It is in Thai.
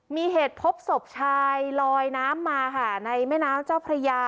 มีเหตุพบศพชายลอยน้ำมาค่ะในแม่น้ำเจ้าพระยา